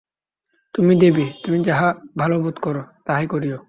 তুমি দেবী, তুমি যাহা ভালো বোধ কর, তাহাই করিয়ো।